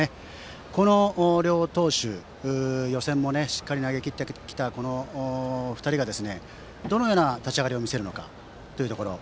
この両投手、予選もしっかり投げきってきた２人がどのような立ち上がりを見せるのかというところ。